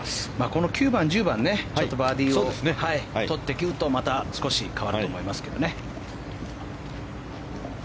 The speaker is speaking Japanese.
この９番、１０番でバーディーをとってくるとまた少し変わると思いますけどね。